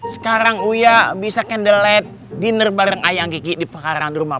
sekarang uya bisa candlelight dinner bareng ayam kiki di pekarangan rumah